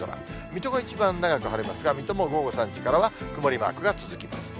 水戸が一番長く晴れますが、水戸も午後３時からは曇りマークが続きます。